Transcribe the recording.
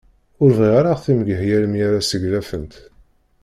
Ur bɣiɣ ara timgeḥyal mi ara seglafent.